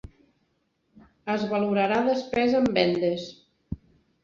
Es valorarà despesa en vendes.